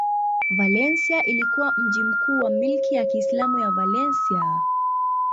Valencia ilikuwa mji mkuu wa milki ya Kiislamu ya Valencia.